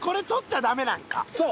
そう。